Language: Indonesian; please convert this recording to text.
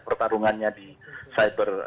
pertarungannya di cyber